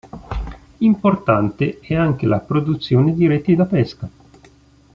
Importante è anche la produzione di reti da pesca.